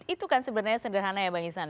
itu kan sebenarnya sederhana ya bang isan